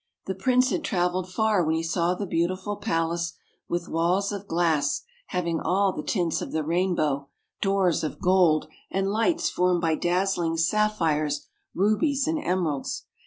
The Prince had traveled far when he saw the beautiful palace with walls of glass hav ing all the tints of the rainbow, doOrs of gold, and lights formed by dazzling sap phires, rubies, and emeralds.